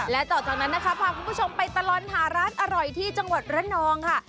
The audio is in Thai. และต่อจากนั้นนะคะพาคุณผู้ชมไปตลอดหาร้านอร่อยที่จังหวัดระนองค่ะ